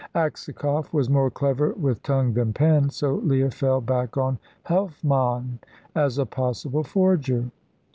Aksakoff was more clever with tongue than pen, so Leah fell back on Helfmann as a possible forger.